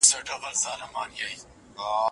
نه یې مرستي ته دوستان سوای رسېدلای